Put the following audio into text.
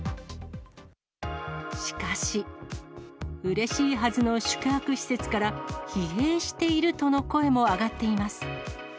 しかし、うれしいはずの宿泊施設から、疲弊しているとの声も上がっています。